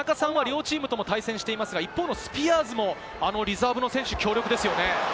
田中さんは両チームとも対戦していますが、一方のスピアーズもリザーブの選手、強力ですよね。